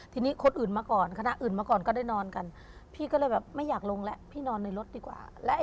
ตี๔กว่ากว่า